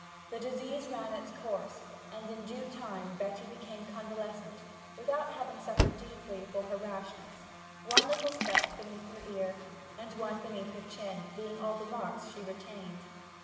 The disease ran its course, and in due time Betty became convalescent, without having suffered deeply for her rashness, one little speck beneath her ear, and one beneath her chin, being all the marks she retained.